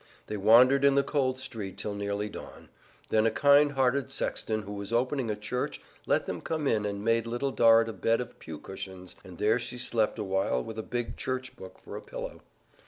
They wandered in the cold street till nearly dawn; then a kind hearted sexton who was opening a church let them come in and made Little Dorrit a bed of pew cushions, and there she slept a while with a big church book for a pillow.